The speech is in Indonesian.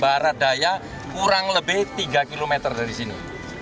barat daya kurang lebih tiga km dari sini